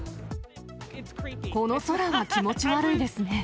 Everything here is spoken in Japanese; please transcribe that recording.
この空は気持ち悪いですね。